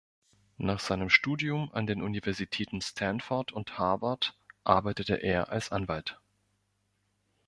Nach seinem Studium an den Universitäten Stanford und Harvard arbeitete er als Anwalt.